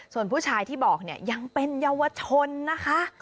ส่วนผู้ชายที่บอกเนี่ยยังเป็นเยาวชนนะคะ